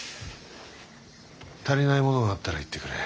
足りないものがあったら言ってくれ。